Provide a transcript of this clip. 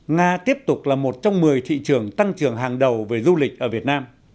nga tiếp tục là một trong một mươi thị trường tăng trưởng hàng đầu về du lịch ở việt nam